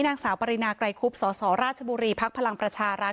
นางสาวปรินาไกรคุบสสราชบุรีภักดิ์พลังประชารัฐ